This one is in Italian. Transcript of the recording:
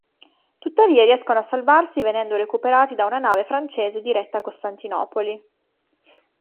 Tuttavia riescono a salvarsi venendo recuperati da una nave francese diretta a Costantinopoli.